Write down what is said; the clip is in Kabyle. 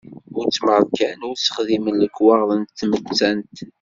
Ur tt-mmarkan ur s-xdimen lekwaɣeḍ n tmettant.